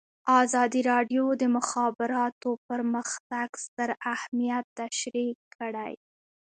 ازادي راډیو د د مخابراتو پرمختګ ستر اهميت تشریح کړی.